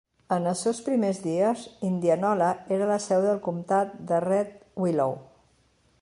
En els seus primers dies, Indianola era la seu del comtat de Red Willow.